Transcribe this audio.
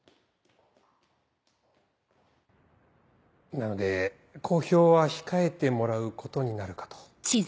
なので公表は控えてもらうことになるかと。